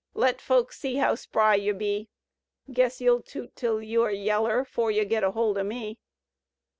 Let folks see how spry you be, — Guess you'll toot till you are yeller Tore you git ahold o' me!